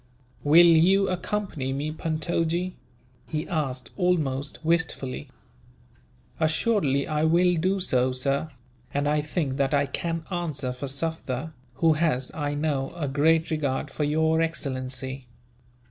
"Will you accompany me, Puntojee?" he asked almost wistfully. "Assuredly I will do so, sir; and I think that I can answer for Sufder, who has, I know, a great regard for your excellency.